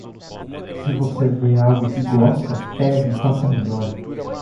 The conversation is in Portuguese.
Se você vê algo que gosta, pegue e faça melhor.